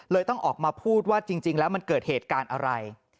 ต้องออกมาพูดว่าจริงแล้วมันเกิดเหตุการณ์อะไร